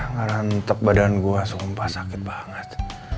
ngarantop badan gua sumpah sakit banget